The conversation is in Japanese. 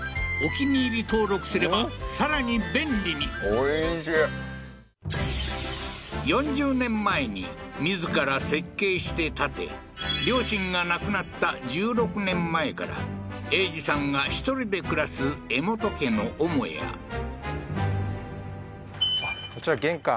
おいしい４０年前に自ら設計して建て両親が亡くなった１６年前から栄治さんが１人で暮らす江本家の母屋こちら玄関